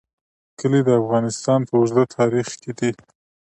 کلي د افغانستان په اوږده تاریخ کې دي.